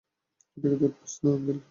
এটা কি টুথপেষ্ট না, আঙ্কেল?